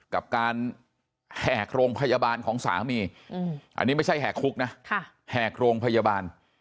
กับการแหกโรงพยาบาลของสามีอันนี้ไม่ใช่แหกคุกนะแหกโรงพยาบาล